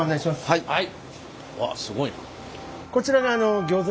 はい。